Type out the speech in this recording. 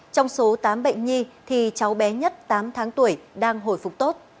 trong số tám bệnh nhi thì cháu bé nhất tám tháng tuổi đang hồi phục tốt